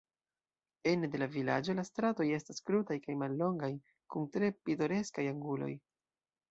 Ene de la vilaĝo la stratoj estas krutaj kaj mallongaj, kun tre pitoreskaj anguloj.